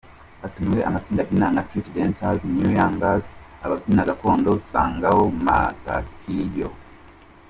Hanatumiwe amatsinda abyina nka Street Dancers, New Youngs ; ababyina gakondo Sangoa , Matakio .